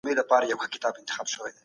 د لويي جرګې په اړه د پوهانو تحلیل څه دی؟